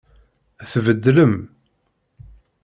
Tbeddlem.